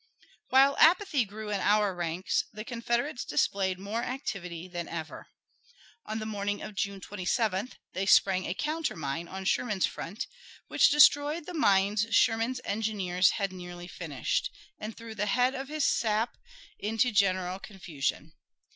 While apathy grew in our ranks, the Confederates displayed more activity than ever. On the morning of June 27th they sprang a countermine on Sherman's front, which destroyed the mines Sherman's engineers had nearly finished, and threw the head of his sap into general confusion.